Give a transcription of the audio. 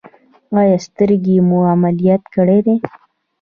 ایا سترګې مو عملیات کړي دي؟